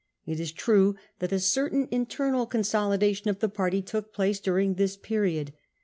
It is true that a certain internal consolidation of the party took place during this period.